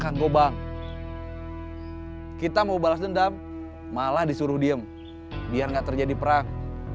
kang gobang kita mau balas dendam malah disuruh diem biar enggak terjadi perang